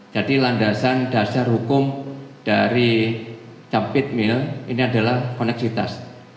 jadi landasan dasar hukum dari jump it mill ini adalah koneksitas